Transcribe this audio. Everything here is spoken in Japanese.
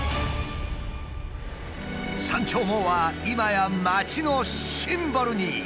「山鳥毛」は今や街のシンボルに。